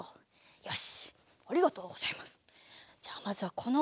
よし！